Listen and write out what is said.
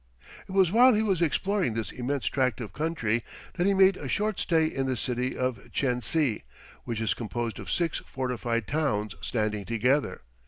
It was while he was exploring this immense tract of country that he made a short stay in the city of Tchensi, which is composed of six fortified towns standing together.